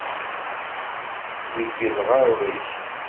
Deg lɣeṛḍ-ik!